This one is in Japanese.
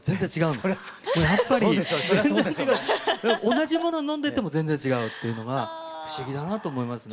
同じもの飲んでても全然違うっていうのは不思議だなと思いますね。